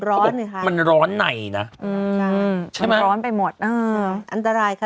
ร้อนค่ะมันร้อนในนะอืมใช่ไหมมันร้อนไปหมดอืมอันตรายค่ะ